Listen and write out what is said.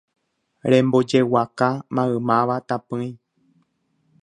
Rembojeguaka maymáva tapỹi